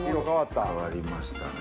変わりましたね。